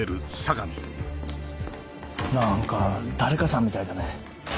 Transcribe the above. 何か誰かさんみたいだね。